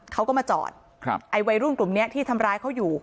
เขาก็มาจอดครับไอ้วัยรุ่นกลุ่มเนี้ยที่ทำร้ายเขาอยู่